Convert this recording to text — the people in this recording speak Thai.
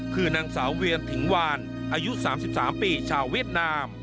คือนางสาวเวียนถึงวานอายุ๓๓ปีชาวเวียดนาม